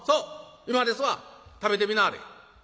今ですわ食べてみなはれ」。